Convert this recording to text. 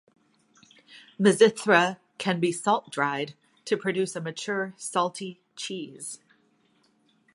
Mizithra can be salt-dried to produce a mature salty cheese.